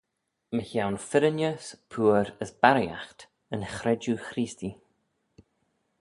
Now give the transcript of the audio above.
Mychione firrinys, pooar as barriaght yn chredjue Chreestee.